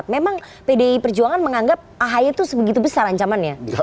memang pdi perjuangan menganggap ahy itu sebegitu besar ancamannya